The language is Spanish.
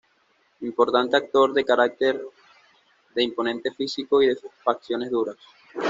Importante actor de carácter, de imponente físico y de facciones duras.